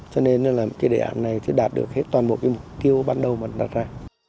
cho nên là cái đề án này chưa đạt được hết toàn bộ cái mục tiêu ban đầu mà đặt ra